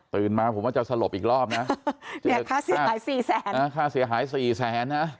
ตื่นมาผมว่าจะสลบอีกรอบนะเนี่ยค่าเสียหาย๔แสน